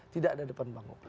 tidak ada depan panggung